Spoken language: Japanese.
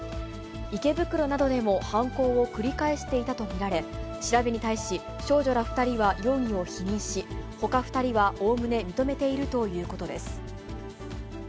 池袋などでも犯行を繰り返していたと見られ、調べに対し、少女ら２人は容疑を否認し、ほか２人は、おおむね認めているということです。